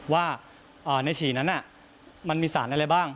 ว่าในฉี่นั้นมันมีสารอะไรบ้าง